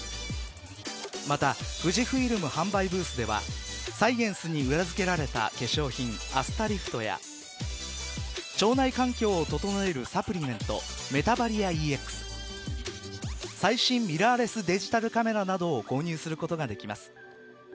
また富士フイルム販売ブースではサイエンスに裏付けられた化粧品ＡＳＴＡＬＩＦＴや腸内環境を整えるサプリメントメタバリアＥＸ最新ミラーレスデジタルカメラなどを購入することができます。